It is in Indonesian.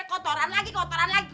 kotoran lagi kotoran lagi